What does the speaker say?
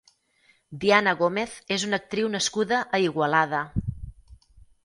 Diana Gómez és una actriu nascuda a Igualada.